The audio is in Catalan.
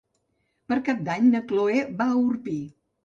Per Cap d'Any na Cloè va a Orpí.